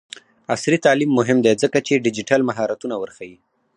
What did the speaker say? عصري تعلیم مهم دی ځکه چې ډیجیټل مهارتونه ورښيي.